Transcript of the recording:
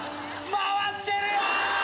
回ってるよ！